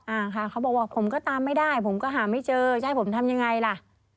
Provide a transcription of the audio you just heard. อ่าค่ะเขาบอกว่าผมก็ตามไม่ได้ผมก็หาไม่เจอจะให้ผมทำยังไงล่ะ